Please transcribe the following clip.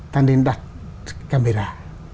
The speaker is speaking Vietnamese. ta nên đặt camera